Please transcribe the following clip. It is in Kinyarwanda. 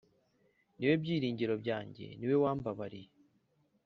Niwe byiringiro byanjye niwe wambabariye